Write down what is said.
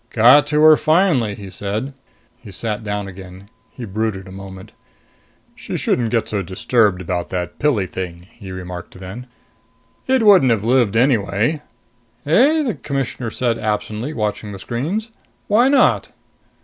"Got to her finally!" he said. He sat down again. He brooded a moment. "She shouldn't get so disturbed about that Pilli thing," he remarked then. "It couldn't have lived anyway." "Eh?" the Commissioner said absently, watching the screens. "Why not?"